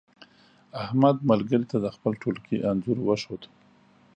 احمد ملګري ته د خپل ټولگي انځور وښود.